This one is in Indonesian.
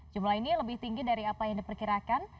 jumlah ini lebih tinggi dari apa yang diperkirakan